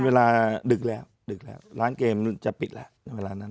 เวลาดึกแล้วร้านเกมจะปิดแล้ว